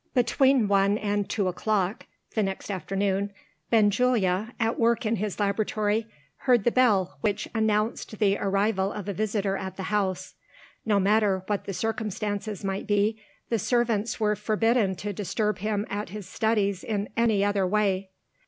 Between one and two o'clock, the next afternoon, Benjulia (at work in his laboratory) heard the bell which announced the arrival of a visitor at the house. No matter what the circumstances might be, the servants were forbidden to disturb him at his studies in any other way.